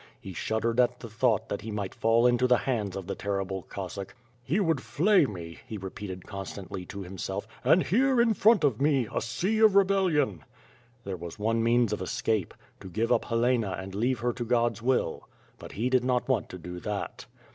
He shuddered at the thought that he might fall into the hands of the terrible Cossack. "He would flay me," he repeated constantly to himself, "and here, in front of me, a sea of rebellion!'' There was one moans of escape. To give up Helena and leave her to God's will, but he did not want to do that.